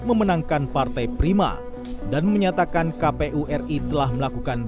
memenangkan partai prima dan menyatakan kpu ri telah melakukan